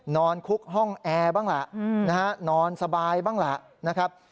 นอนคุกห้องแอร์บ้างล่ะนะฮะนอนสบายบ้างล่ะนะครับ